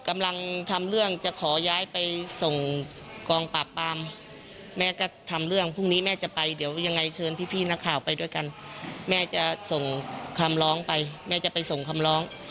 แม่จะส่งคำล้องไปแม่จะไปส่งคำล้อง